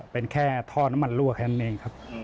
เป็นแค่ท่อน้ำมันรั่วแค่นั้นเองครับ